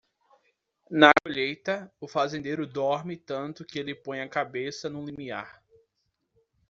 Na colheita, o fazendeiro dorme tanto que ele põe a cabeça no limiar.